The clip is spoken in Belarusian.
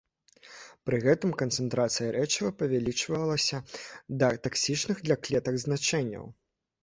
Пры гэтым канцэнтрацыя рэчыва павялічвалася да таксічных для клетак значэнняў.